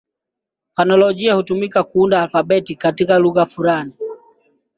Fonolojia hutumika kuunda alfabeti katika lugha fulani.